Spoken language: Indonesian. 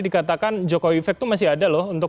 dikatakan jokowi effect itu masih ada loh untuk